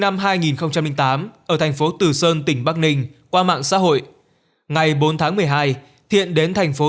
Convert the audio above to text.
năm hai nghìn tám ở thành phố tử sơn tỉnh bắc ninh qua mạng xã hội ngày bốn tháng một mươi hai thiện đến thành phố